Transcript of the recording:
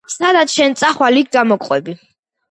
მდებარეობს კარიბის ზღვასა და ქალაქ ვალენსიას შორის.